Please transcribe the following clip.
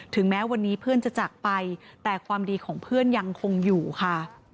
แม้วันนี้เพื่อนจะจากไปแต่ความดีของเพื่อนยังคงอยู่ค่ะ